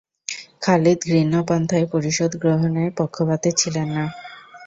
খালিদ ঘৃণ্য পন্থায় প্রতিশোধ গ্রহণের পক্ষপাতী ছিলেন না।